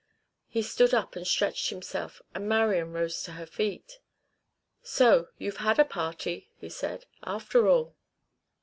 He stood up and stretched himself, and Marian rose to her feet. "So you've had a party," he said, "after all."